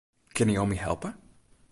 Kinne jo my helpe?